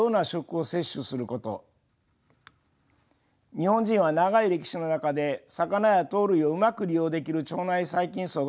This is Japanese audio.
日本人は長い歴史の中で魚や豆類をうまく利用できる腸内細菌そうが定着しています。